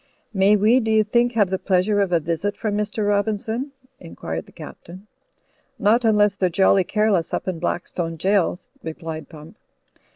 "May we, do you think, have the pleasure of a visit from Mr. Robinson?" inquired the Captain. "Not imless they're jolly careless up in Blackstone Gaol," replied Pump.